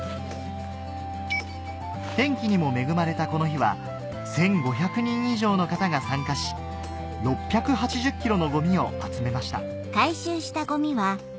天気にも恵まれたこの日は１５００人以上の方が参加し６８０ｋｇのゴミを集めました